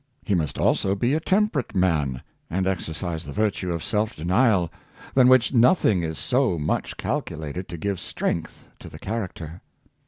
He must also be a temperate man, and exer cise the virtue of self denial, than which nothing is so much calculated to give strength to the character.